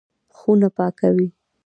خونه پاکوي.